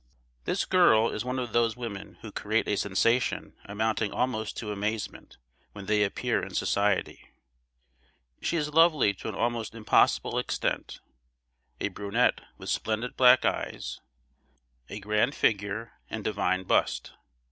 This girl is one of those women who create a sensation amounting almost to amazement when they appear in society. She is lovely to an almost impossible extent, a brunette with splendid black eyes, a grand figure and divine bust.